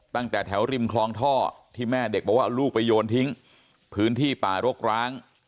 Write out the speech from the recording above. ตั้งแต่แถวริมคลองท่อที่แม่เด็กบอกว่าเอาลูกไปโยนทิ้งพื้นที่ป่ารกร้าง